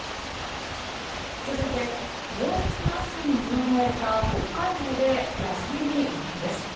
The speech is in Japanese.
続いて猛烈な暑さに見舞われた北海道で野菜に異変です。